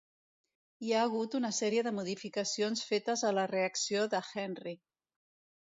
Hi ha hagut una sèrie de modificacions fetes a la reacció de Henry.